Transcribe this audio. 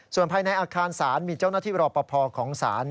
ส่วนภายในอาคารสารมีเจ้าหน้าที่รอบประพอของสาร